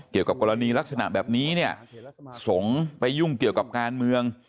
เกี่ยวกับกรณีลักษณะแบบนี้เนี่ยสงฆ์ไปยุ่งเกี่ยวกับการเมือง